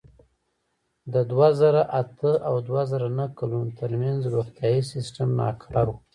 د دوه زره اته او دوه زره نهه کلونو ترمنځ روغتیايي سیستم ناکار و.